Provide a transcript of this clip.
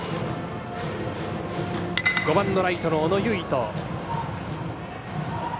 ５番のライトの小野唯斗。